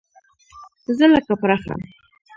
زه لکه پرخه